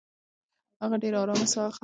هغه ډېره ارامه ساه اخلي.